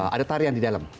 ada tarian di dalam